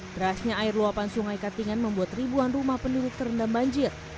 derasnya air luapan sungai katingan membuat ribuan rumah penduduk terendam banjir